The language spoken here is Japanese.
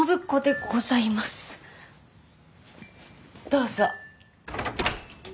どうぞ。